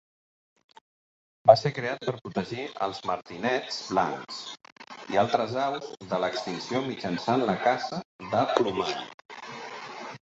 Va ser creat per protegir els martinets blancs i altres aus de l'extinció mitjançant la caça de plomall.